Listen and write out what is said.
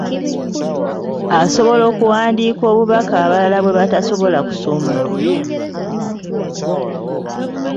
Asobola okuwandiika obubaka abalala bwe batasobola kusoma.